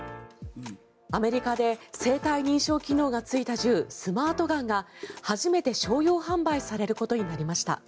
アメリカで生体認証機能がついた銃スマートガンが初めて商用販売されることになりました。